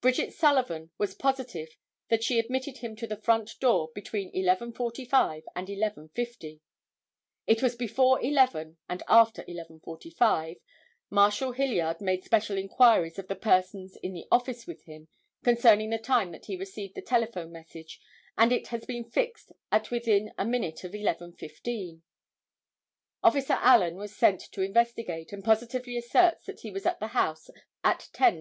Bridget Sullivan was positive that she admitted him at the front door between 10:45 and 10:50; it was before 11 and after 10:45. Marshal Hilliard made special inquiries of the persons in the office with him concerning the time that he received the telephone message, and it has been fixed at within a minute of 11:15. Officer Allen was sent to investigate, and positively asserts that he was at the house at 10:20.